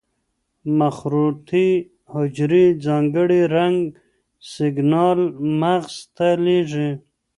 مخروطې حجرې ځانګړي رنګي سېګنال مغز ته لېږي.